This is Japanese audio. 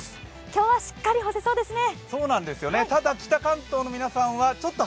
今日はしっかり干せそうですね。